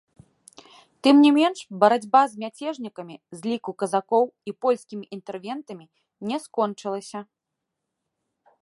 Тым не менш, барацьба з мяцежнікамі з ліку казакоў і польскімі інтэрвентамі не скончылася.